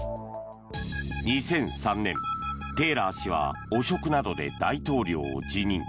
２００３年、テーラー氏は汚職などで大統領を辞任。